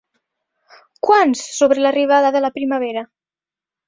¿Quants sobre l'arribada de la primavera?